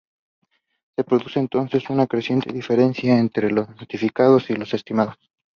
Se produce entonces una creciente diferencia entre los notificados y los estimados.